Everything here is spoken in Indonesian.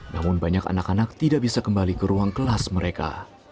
namun banyak anak anak tidak bisa kembali ke ruang kelas mereka